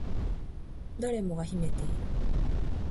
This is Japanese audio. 誰もが秘めている